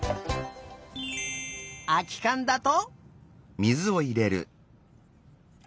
あきかんだと。